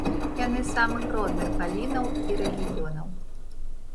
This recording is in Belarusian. Яны з самых розных галінаў і рэгіёнаў.